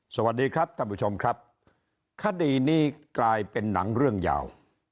สวัสดีครับท่านผู้ชมครับคดีนี้กลายเป็นหนังเรื่องยาว